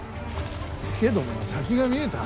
佐殿は先が見えた。